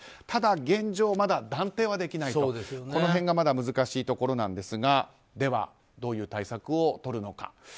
ただ、現状は断定はできないという、この辺がまだ難しいところですがでは、どういう対策を取るのか。